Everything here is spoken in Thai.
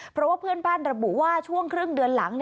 เพราะว่าเพื่อนบ้านระบุว่าช่วงครึ่งเดือนหลัง